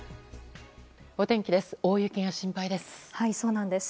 お天気です。